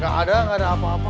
gak ada nggak ada apa apa